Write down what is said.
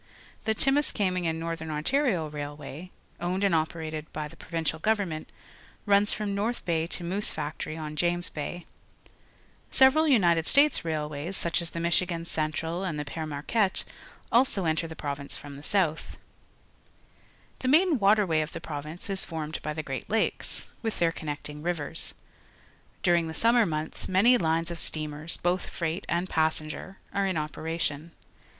The Timiskaming and Nort hern Ontario Railwaj", ownejd antl operated by the Pro^•incial Gov . eriuiLent, rims^'omJVor//i JJay to J/c on lamfis Bay^ Several United State such as the Michigan Central and the Pere Mar qiipttp^ also ente r the province from the south. The m ain waterway of the province is formed by the Great Lakes, with their con necting TiversT^^During^he summer months many hues of steamers, both freight and passenger, are in operation.